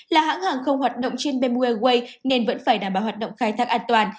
là hãng hàng không hoạt động trên bamboo airways nên vẫn phải đảm bảo hoạt động khai thác an toàn